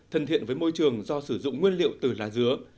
thân thiện với môi trường do sử dụng nguyên liệu từ lá dứa